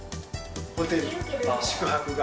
ホテルの宿泊が。